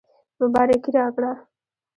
مبارکي راکړه.